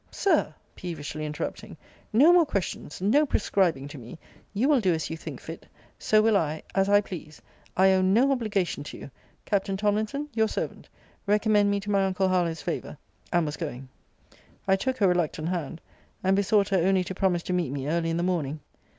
Sir! peevishly interrupting no more questions; no prescribing to me you will do as you think fit so will I, as I please. I own no obligation to you. Captain Tomlinson, your servant. Recommend me to my uncle Harlowe's favour. And was going. I took her reluctant hand, and besought her only to promise to meet me early in the morning.